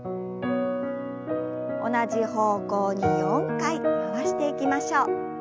同じ方向に４回回していきましょう。